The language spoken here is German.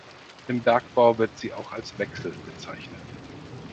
Im Bergbau wird sie auch als Wechsel bezeichnet.